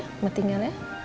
mama tinggal ya